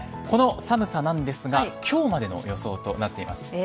この寒さなんですが今日までの予想となっています。